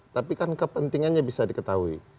tapi kan kepentingannya bisa diketahui